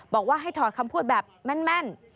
บอกว่าให้ถอดคำพูดแบบแม่น